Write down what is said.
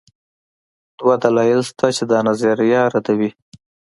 دوه دلایل شته چې دا نظریه ردوي.